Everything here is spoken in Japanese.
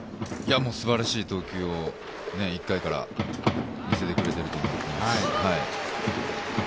すばらしい投球を１回から見せてくれていると思っています。